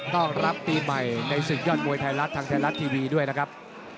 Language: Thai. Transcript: รับปีใหม่ในศึกยอดมวยไทยรัฐทางไทยรัฐทีวีด้วยนะครับ